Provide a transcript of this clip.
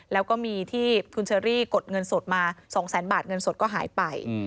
แล้วก็มีที่คุณเชอรี่กดเงินสดมา๒แสนบาทเงินสดก็หายไป